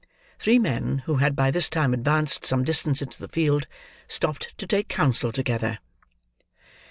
Three men, who had by this time advanced some distance into the field, stopped to take counsel together.